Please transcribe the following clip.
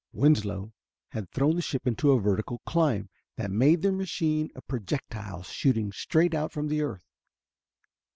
Winslow had thrown the ship into a vertical climb that made of their machine a projectile shooting straight out from the earth.